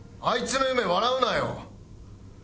あいつの夢笑うなよ。